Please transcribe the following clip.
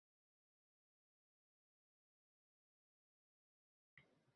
— Yaʼni algoritmlar oʻzi aniqlaydi.